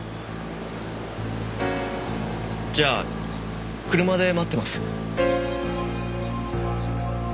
じゃあ車で待ってます。